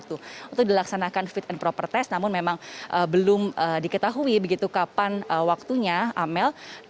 untuk dilaksanakan fit and proper test namun memang belum diketahui begitu kapan waktunya amel